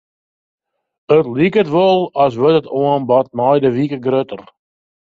It liket wol as wurdt it oanbod mei de wike grutter.